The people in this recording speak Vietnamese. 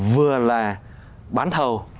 vừa là bán thầu